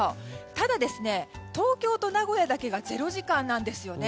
ただ、東京と名古屋だけが０時間なんですよね。